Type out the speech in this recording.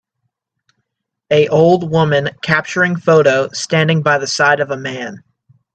a old woman capturing photo standing by the side of a man